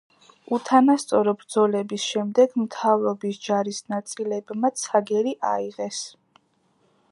უთანასწორო ბრძოლების შემდეგ მთავრობის ჯარის ნაწილებმა ცაგერი აიღეს.